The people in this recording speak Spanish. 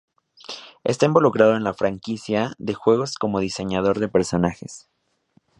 Está involucrado en la franquicia de juegos como diseñador de personajes